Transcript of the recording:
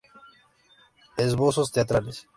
Esbozos teatrales.